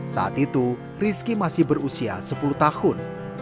saat itu rizky masih berusia sepuluh tahun